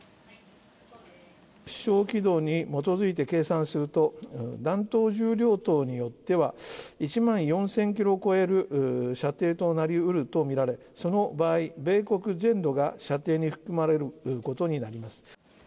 飛しょう軌道に基づいて計算すると、弾頭重量等によっては１万４０００キロを超える射程となりうると見られ、その場合、米国全土が射程に含まれることになります。